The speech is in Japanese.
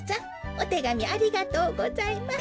おてがみありがとうございます。